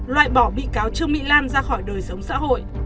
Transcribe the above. loại bỏ bị cáo trương mỹ lan ra khỏi đời sống xã hội